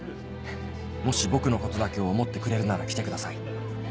もし僕のことだけを思ってくれるなら来てください。